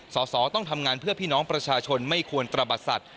สอสอต้องทำงานเพื่อพี่น้องประชาชนไม่ควรตระบัดสัตว